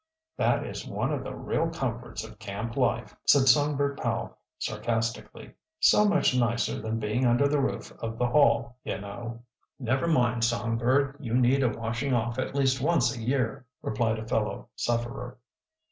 "This is one of the real comforts of camp life," said Songbird Powell sarcastically. "So much nicer than being under the roof of the Hall, you know!" "Never mind, Songbird, you need a washing off at least once a year," replied a fellow sufferer.